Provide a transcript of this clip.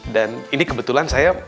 dan ini kebetulan saya